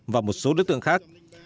và một số đối tượng khác